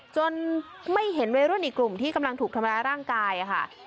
จนไม่เห็นวัยรุ่นอีกกลุ่มที่กำลังถูกทำร้ายร่างกายค่ะ